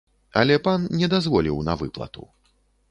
Але пан не дазволіў на выплату.